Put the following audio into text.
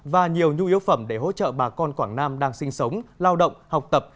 và nhiều nhu yếu phẩm để hỗ trợ bà con quảng nam đang sinh sống lao động học tập